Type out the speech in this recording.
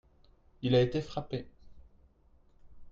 Il a été frappé.